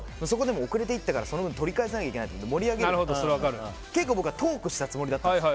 遅れて行ったのでその分、取り返さなきゃいけないと思って盛り上げるために結構、僕はトークしたつもりだったんです。